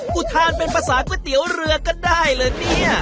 ทานเป็นภาษาก๋วยเตี๋ยวเรือก็ได้เหรอเนี่ย